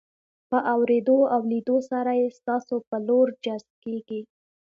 په اورېدو او لیدو سره یې ستاسو په لور جذب کیږي.